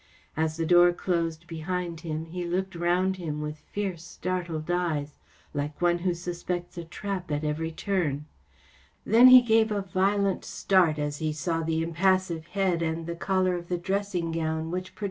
As the door closed behind him, he looked round him with fierce, startled eyes, like one who suspects a trap at every turn. Then he gave a violent start as he saw the impassive head and the collar of the dressing gown which projected above the armchair in the window.